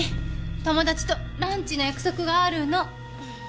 友達とランチの約束があるの。